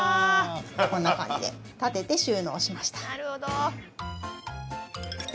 こんな感じで立てて収納しました。